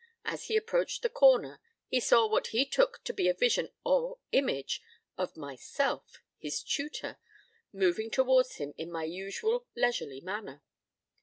As he approached the corner, he saw what he took to be a vision or image of myself, his tutor, moving towards him in my usual leisurely manner.